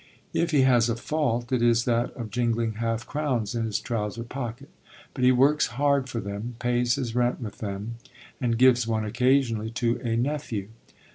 If he has a fault it is that of jingling half crowns in his trouser pocket; but he works hard for them, pays his rent with them, and gives one occasionally to a nephew.